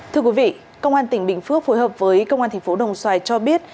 thưa quý vị công an tỉnh bình phước phối hợp với công an tp đồng xoài cho biết